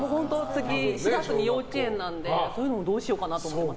４月に幼稚園なのでそういうのもどうしようかと。